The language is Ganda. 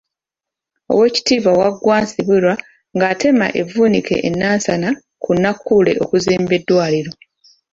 Owekitiibwa Wagwa Nsibirwa ng'atema evvuunike e Nansana ku Nakkuule okuzimba eddwaliro.